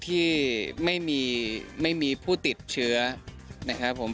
ที่ไม่มีไม่มีผู้ติดเชื้อนะครับผม